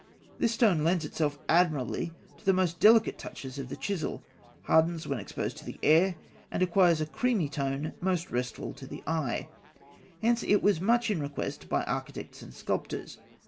This stone lends itself admirably to the most delicate touches of the chisel, hardens when exposed to the air, and acquires a creamy tone most restful to the eye. Hence it was much in request by architects and sculptors.